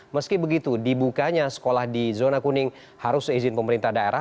meski begitu dibukanya sekolah di zona kuning harus seizin pemerintah daerah